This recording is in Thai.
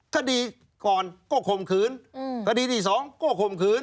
ถ้าดีก่อนก็ข่มขืนคดีที่สองก็ข่มขืน